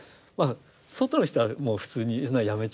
外の人はもう普通にそんなのやめちゃえばって。